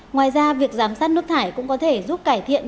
ngoài ra việc giám sát nước thải cũng có thể giúp cải thiện